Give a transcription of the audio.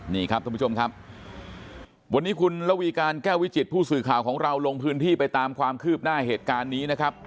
นี่ครับท่านผู้ชมครับวันนี้คุณระวีการแก้ววิจิตผู้สื่อข่าวของเราลงพื้นที่ไปตามความคืบหน้าเหตุการณ์นี้นะครับ